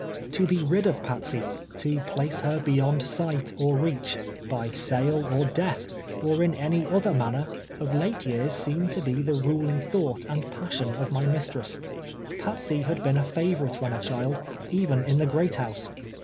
To Ir' rid of Patsey — to place her beyond sight or reach, by sale, or death, or in any other manner, of late years, seemed to be the ruling thought and pas sion of my mistress. Patsey had been a favorite when a child, even in the great house.